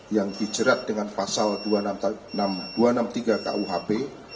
yang dijerat dengan pasal dua ratus enam puluh tiga kuhp